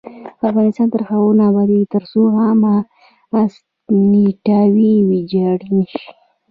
افغانستان تر هغو نه ابادیږي، ترڅو عامه اسانتیاوې ویجاړې نشي.